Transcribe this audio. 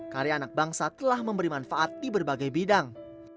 karya anak bangsa telah memberi manfaat di berbagai bidang